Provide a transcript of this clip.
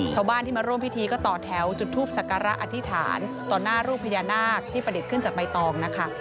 ชาวบ้านที่มาร่วมพิธีก็ต่อแถวจุดทูปสักระอธิษฐานต่อหน้ารูปพญานาคที่ประดิษฐ์ขึ้นจากใบตองนะคะ